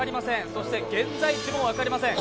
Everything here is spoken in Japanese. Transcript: そして現在地も分かりません。